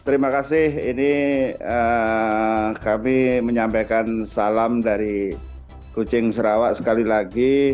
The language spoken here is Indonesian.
terima kasih ini kami menyampaikan salam dari kucing sarawak sekali lagi